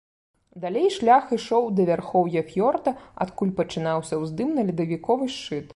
Далей шлях ішоў да вярхоўя фіёрда, адкуль пачынаўся ўздым на ледавіковы шчыт.